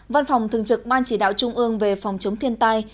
văn phòng thường trực ban chỉ đạo trung ương về phòng chống thiên tai